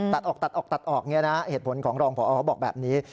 ตัดออกเนี่ยนะเหตุผลของรองผอบอกแบบนี้